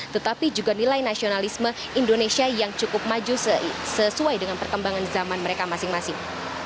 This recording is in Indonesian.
tetapi juga nilai nasionalisme indonesia yang cukup maju sesuai dengan perkembangan zaman mereka masing masing